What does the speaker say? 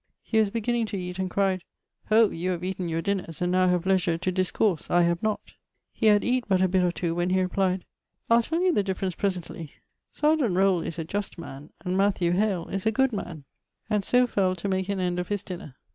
He was beginning to eate, and cryd: 'Hoh! you have eaten your dinners, and now have leasure to discourse; I have not.' He had eate but a bitt or two when he reply'd: 'I'le tell you the difference presently: serjeant Rolle is a just man, and Matthew Hale is a good man'; and so fell to make an end of his dinner.